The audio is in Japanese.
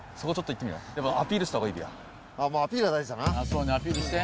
そうねアピールして。